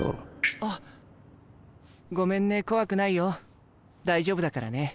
あごめんね怖くないよ大丈夫だからね。